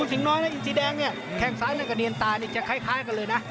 ชิงน้อยนะอินทรีย์แดงแข่งซ้ายกับเนียนตาจะคล้ายกันเลยนะ